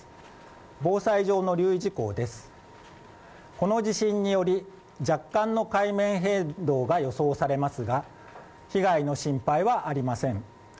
この地震により、若干の海面変動が予想されますが、被害の心配はありません。